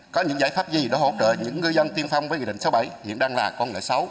có những giải pháp gì để hỗ trợ những ngư dân tiên phong với nghị định sáu mươi bảy hiện đang là con nợ sáu